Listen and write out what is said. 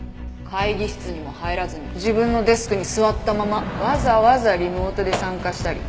会議室にも入らずに自分のデスクに座ったままわざわざリモートで参加したり。